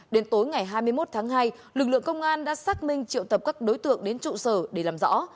đến tối ngày hai mươi một tháng hai lực lượng công an đã xác minh triệu tập các đối tượng đến trụ sở để làm rõ